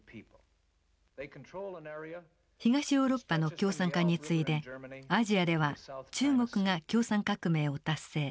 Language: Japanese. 東ヨーロッパの共産化に次いでアジアでは中国が共産革命を達成。